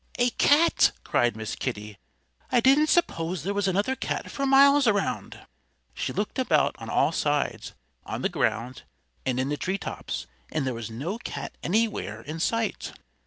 "A cat!" cried Miss Kitty. "I didn't suppose there was another cat for miles around." She looked about on all sides, on the ground and in the tree tops. And there was no cat anywhere in sight.